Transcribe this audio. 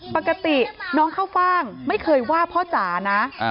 ปกติน้องข้าวฟ่างไม่เคยว่าพ่อจ๋านะ